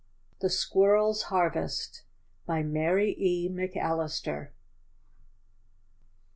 THE SQUIRRELS' HARVEST. BY MARY E. McALLISTER.